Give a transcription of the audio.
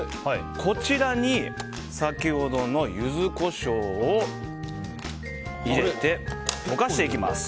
こちらに先ほどのユズコショウを入れて、溶かしていきます。